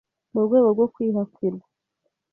mu rwego rwo kwihakirwa,